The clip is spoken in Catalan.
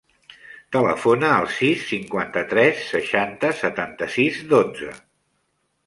Telefona al sis, cinquanta-tres, seixanta, setanta-sis, dotze.